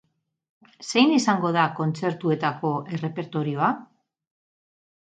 Zein izango da kontzertuetako errepertorioa?